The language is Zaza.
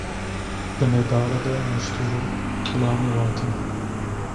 Bınê dare de niştu ro, kılami vati.